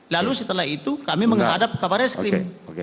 lalu setelah itu kami menghadap kabarnya skrim